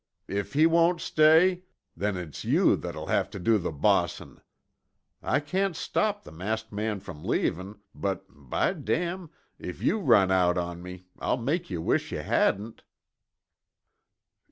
If he won't stay, then it's you that'll have to do the bossin'. I can't stop the masked man from leavin', but, by damn, if you run out on me, I'll make yuh wish yuh hadn't."